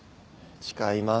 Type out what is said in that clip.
誓います。